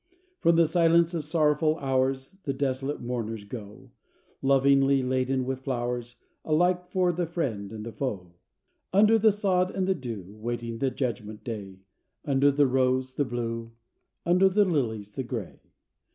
From the silence of sorrowful hours The desolate mourners go, Lovingly laden with flowers, Alike for the friend and the foe Under the sod and the dew, Waiting the judgment day; Under the roses, the Blue; Under the lilies, the Gray.